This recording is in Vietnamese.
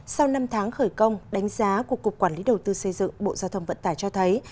sau năm tháng khởi công đánh giá của cục quản lý đầu tư xây dựng bộ giao thông vận tải cho thấy